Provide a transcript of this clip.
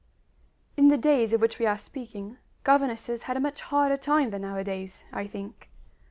In the days of which we are speaking, governesses had a much harder time than nowadays, I think.